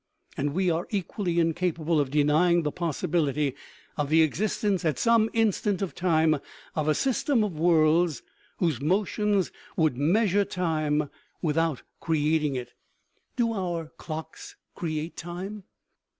And we are equally incapable of denying the possibility of the exist ence, at some instant of time, of a system of worlds whose motions would measure time without creating it. Do our 282 OMEGA , OMEGA. 283 clocks create time